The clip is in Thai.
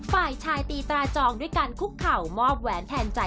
ฝ่ายชายตีตราจองด้วยการคุกเข่ามอบแหวนแทนใจ